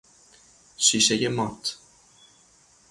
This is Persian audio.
شیشهی مات